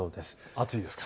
暑いですか？